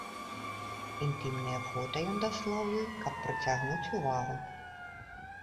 Інтымныя фота ён дасылаў ёй, каб прыцягнуць увагу.